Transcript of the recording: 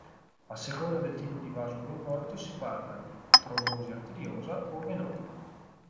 A seconda del tipo di vaso coinvolto si parla di trombosi arteriosa o venosa.